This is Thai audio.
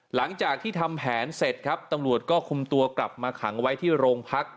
หลังจากที่ทำแผนเสร็จครับตำรวจก็คุมตัวกลับมาขังไว้ที่โรงพัก